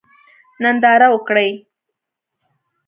ننداره وکړئ.